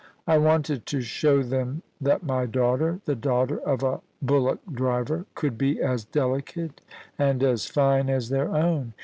I wanted to show them that my daughter — the daughter of a bullock driver — could be as delicate and fine as their own.